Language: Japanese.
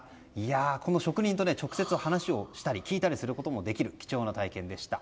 この職人と直接お話をしたり聞いたりすることもできる貴重な体験でした。